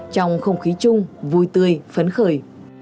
trong không khí chung vui tươi phấn khởi